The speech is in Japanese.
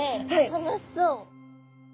楽しそう。